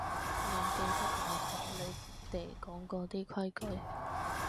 我記得我同你哋講過啲規矩